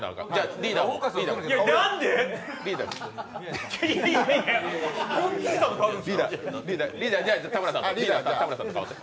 リーダー、田村さんと変わって。